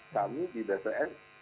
kami di bcn